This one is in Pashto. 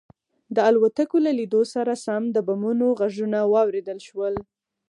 د الوتکو له لیدو سره سم د بمونو غږونه واورېدل شول